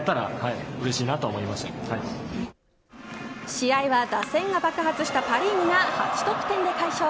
試合は打線が爆発したパ・リーグが８得点で快勝。